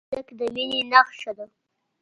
هلک د مینې نښه ده.